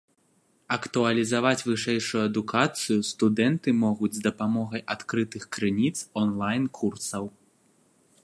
Актуалізаваць вышэйшую адукацыю студэнты могуць з дапамогай адкрытых крыніц, онлайн-курсаў.